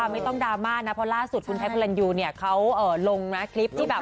ไม่ต้องดราม่านะเพราะล่าสุดคุณแท็กพระลันยูเนี่ยเขาลงนะคลิปที่แบบ